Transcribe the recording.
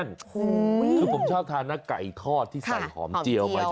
คือผมชอบทานนะไก่ทอดที่ใส่หอมเจียวมา